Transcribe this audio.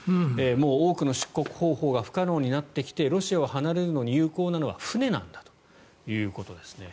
もう多くの出国方法が不可能になってきてロシアを離れるのに有効なのは船なんだということですね。